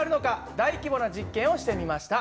大規模な実験をしてみました。